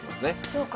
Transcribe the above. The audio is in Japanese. そうか。